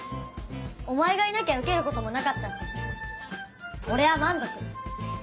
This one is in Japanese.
お前がいなきゃ受けることもなかったし俺は満足。